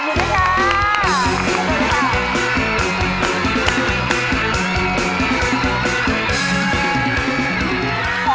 สวัสดีค่ะ